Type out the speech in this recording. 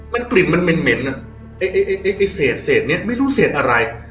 มันกลิ่นมันเหม็นเหม็นอ่ะไอ้ไอ้ไอ้ไอ้เศษเศษเนี้ยไม่รู้เศษอะไร